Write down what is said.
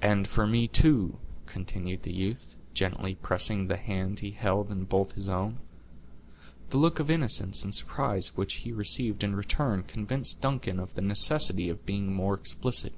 "And for me, too," continued the youth, gently pressing the hand he held in both his own. The look of innocence and surprise which he received in return convinced Duncan of the necessity of being more explicit.